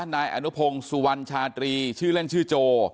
นายอนุพงศ์สุวรรณชาตรีชื่อเล่นชื่อโจ